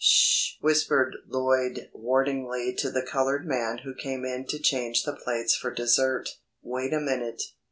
"Sh!" whispered Lloyd warningly to the coloured man who came in to change the plates for dessert. "Wait a minute.